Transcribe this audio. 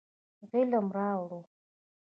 علم راوړو.